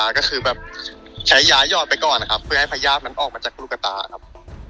ก็คือแบบใช้ยาหยอดไปก่อนนะครับเพื่อให้พญาติมันออกมาจากลูกตาครับ